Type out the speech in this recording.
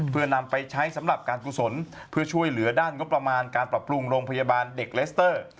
เพื่อนำไปใช้สำหรับการกุศลเพื่อช่วยเหลือด้านงบประมาณการปรับปรุงโรงพยาบาลเด็กเลสเตอร์